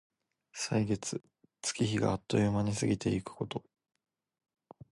歳月、月日があっという間に過ぎてゆくこと。